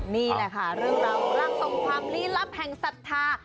นี่แหละค่ะเรื่องเรารักสมความลีรับแห่งศรัทธา